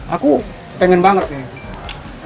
aku pengen banget nih